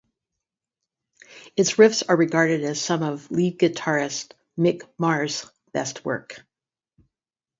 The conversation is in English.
Its riffs are regarded as some of lead guitarist Mick Mars' best work.